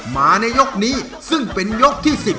มาในยกนี้ซึ่งเป็นยกที่๑๐